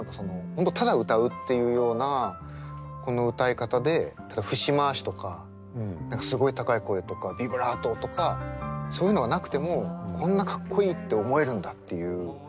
本当ただ歌うっていうようなこの歌い方で例えば節回しとかすごい高い声とかビブラートとかそういうのがなくてもこんなかっこいいって思えるんだっていう。